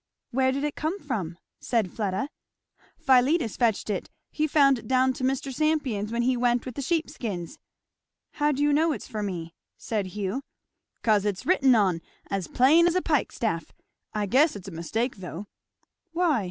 "Where did it come from?" said Fleda. "Philetus fetched it he found it down to Mr. Sampion's when he went with the sheep skins." "How do you know it's for me?" said Hugh. "'Cause it's written on, as plain as a pikestaff. I guess it's a mistake though." "Why?"